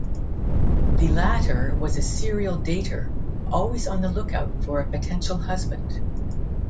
The latter was a serial dater, always on the lookout for a potential husband.